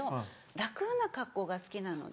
楽な格好が好きなので。